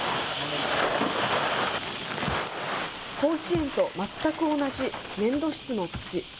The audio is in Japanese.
甲子園と全く同じ粘土質の土。